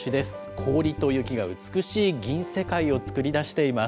氷と雪が美しい銀世界を作り出しています。